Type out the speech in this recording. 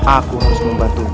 aku harus membantumu